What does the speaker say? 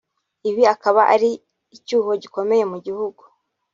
Ibi akaba ari icyuho gikomeye mu gihugu